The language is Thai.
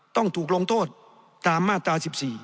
ต้องถูกลงโทษตามมาตรา๑๔